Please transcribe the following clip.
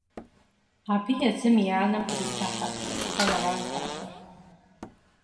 Абы езым и анэм кърита хьэкъущыкъухэу арат ахэр.